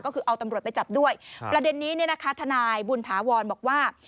ก็คือเอาตำรวจไปจับด้วยประเด็นนี้เนี่ยนะคะทนายบุญถาวรบอกว่า